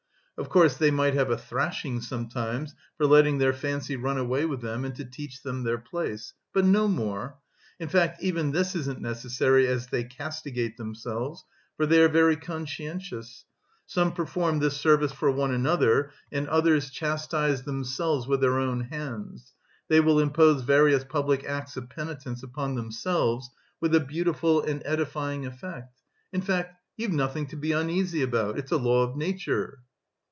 Of course, they might have a thrashing sometimes for letting their fancy run away with them and to teach them their place, but no more; in fact, even this isn't necessary as they castigate themselves, for they are very conscientious: some perform this service for one another and others chastise themselves with their own hands.... They will impose various public acts of penitence upon themselves with a beautiful and edifying effect; in fact you've nothing to be uneasy about.... It's a law of nature."